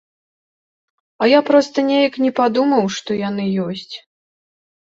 А я проста неяк не падумаў, што яны ёсць!